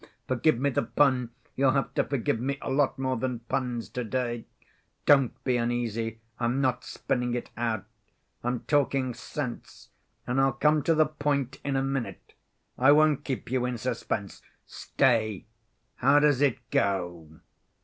Forgive me the pun; you'll have to forgive me a lot more than puns to‐day. Don't be uneasy. I'm not spinning it out. I'm talking sense, and I'll come to the point in a minute. I won't keep you in suspense. Stay, how does it go?"